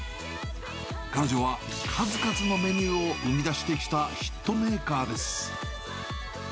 彼女は数々のメニューを生み出してきたヒットメーカーです。